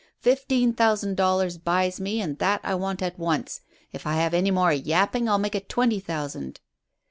Fifteen thousand dollars buys me, and that I want at once. If I have any more yapping I'll make it twenty thousand."